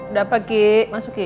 udah apa ki masuk ki